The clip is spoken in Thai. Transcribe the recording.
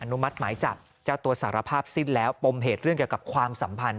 มัติหมายจับเจ้าตัวสารภาพสิ้นแล้วปมเหตุเรื่องเกี่ยวกับความสัมพันธ